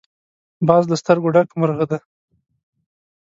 باز له سترګو ډک مرغه دی